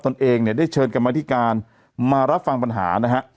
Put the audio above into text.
ตนเองเนี่ยได้เชิญกรรมธิการมารับฟังปัญหานะฮะ